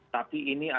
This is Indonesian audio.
tapi ini adalah